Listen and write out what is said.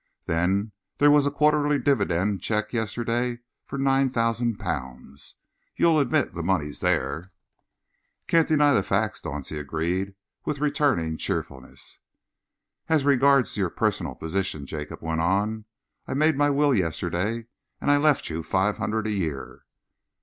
Then there was a quarterly dividend cheque yesterday for nine thousand pounds. You'll admit the money's there." "Can't deny facts," Dauncey agreed, with returning cheerfulness. "As regards your personal position," Jacob went on, "I made my will yesterday and I left you five hundred a year."